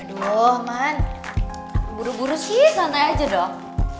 aduh man buru buru sih santai aja dong